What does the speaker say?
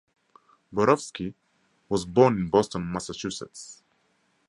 Borofsky was born in Boston, Massachusetts.